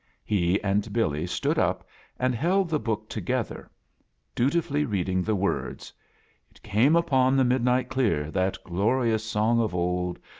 He and Billy stood up and held the book together, dutifully reading the wor<Is; t upon the midnight cleu. That glorlotfs song of old.